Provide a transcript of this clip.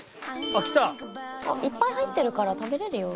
あっいっぱい入ってるから食べれるよ。